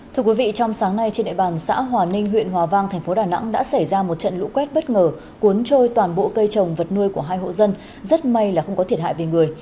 thưa quý vị trong sáng nay trên địa bàn xã hòa ninh huyện hòa vang thành phố đà nẵng đã xảy ra một trận lũ quét bất ngờ cuốn trôi toàn bộ cây trồng vật nuôi của hai hộ dân rất may là không có thiệt hại về người